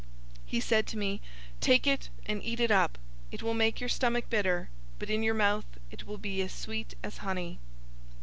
He said to me, "Take it, and eat it up. It will make your stomach bitter, but in your mouth it will be as sweet as honey."